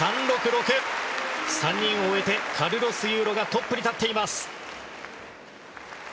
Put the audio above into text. ３人を終えてカルロス・ユーロがトップに立っています。